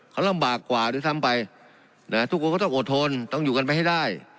เขาลำบากกว่าด้วยซ้ำไปทุกคนก็ต้องอดทนต้องอยู่กันไปให้ได้